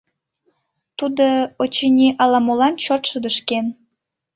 Тудо, очыни, ала-молан чот шыдешкен.